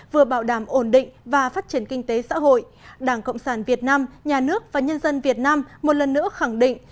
vừa bảo đảm ổn định và phát triển kinh tế xã hội đảng cộng sản việt nam nhà nước và nhân dân việt nam một lần nữa khẳng định